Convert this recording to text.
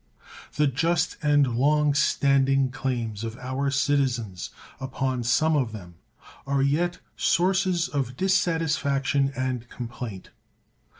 The just and long standing claims of our citizens upon some of them are yet sources of dissatisfaction and complaint.